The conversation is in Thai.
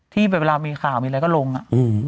ที่แปลว่ามีข่าวอะไรก็ลงอ่ะ